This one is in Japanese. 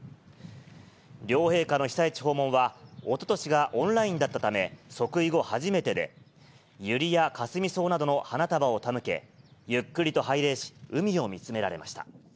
両陛下の被災地訪問は、おととしがオンラインだったため、即位後初めてで、ゆりやかすみ草などの花束を手向け、ゆっくりと拝礼し、海を見つめられました。